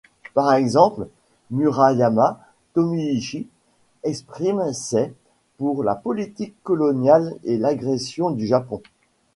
Par exemple, Murayama Tomiichi exprime ses pour la politique coloniale et l'agression du Japon.